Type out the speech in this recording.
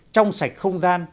trong sạch không gian